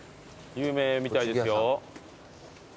有名みたいですよ。